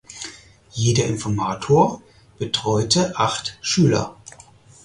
Jeder Informator betreute acht Schüler.